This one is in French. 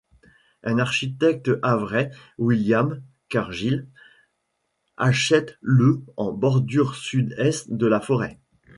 Un architecte havrais William Cargill achète le en bordure sud-est de la forêt.